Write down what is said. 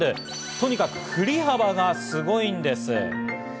とにかく振り幅がすごいんです。